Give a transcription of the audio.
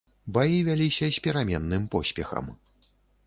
Баі вяліся з пераменным поспехам.